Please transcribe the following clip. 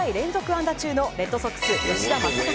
安打中のレッドソックス、吉田正尚。